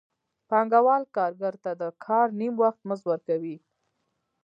پانګوال کارګر ته د کار نیم وخت مزد ورکوي